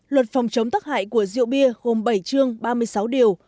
luật phòng chống tắc hại của rượu bia gồm bảy chương ba mươi sáu điều